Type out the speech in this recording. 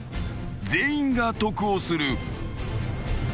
［全員が得をする］